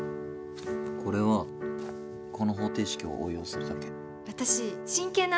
これはこの方程式を応用するだけ。